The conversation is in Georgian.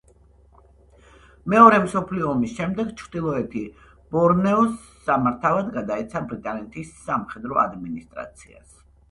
მეორე მსოფლიო ომის შემდეგ ჩრდილოეთი ბორნეო სამართავად გადაეცა ბრიტანეთის სამხედრო ადმინისტრაციას.